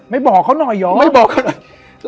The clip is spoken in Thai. บอกเขาหน่อยเหรอไม่บอกเขาหน่อย